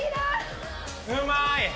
うまーい！